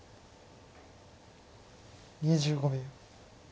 ２５秒。